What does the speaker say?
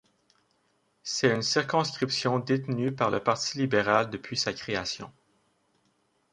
C'est une circonscription détenue par le parti libéral depuis sa création.